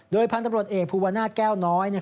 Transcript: โดยพันธุ์ตัำรวจเอกภูวรณาแก้วน้อย